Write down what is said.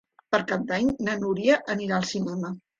Per Cap d'Any na Núria anirà al cinema.